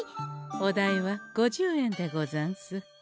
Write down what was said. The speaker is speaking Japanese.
お代は五十円でござんす。